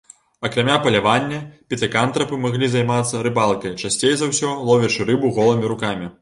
Акрамя палявання, пітэкантрапы маглі займацца рыбалкай, часцей за ўсё, ловячы рыбу голымі рукамі.